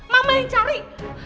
mama yang cari